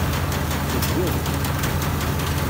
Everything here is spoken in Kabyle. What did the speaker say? Gget.